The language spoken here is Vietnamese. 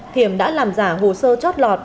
thiểm đã làm giả hồ sơ chót lọt